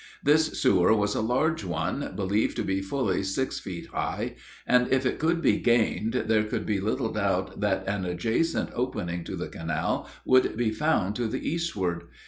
This sewer was a large one, believed to be fully six feet high, and, if it could be gained, there could be little doubt that an adjacent opening to the canal would be found to the eastward.